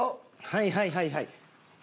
はいはいはいはい。